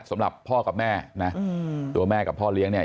สำหรับพ่อกับแม่นะตัวแม่กับพ่อเลี้ยงเนี่ย